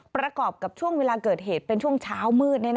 ประกอบกับช่วงเวลาเกิดเหตุเป็นช่วงเช้ามืด